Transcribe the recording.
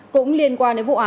cảm ơn các bạn đã theo dõi